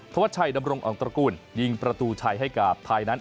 วัดชัยดำรงอ่องตระกูลยิงประตูชัยให้กับไทยนั้น